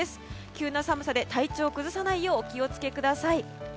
急な寒さで体調を崩さないようお気を付けください。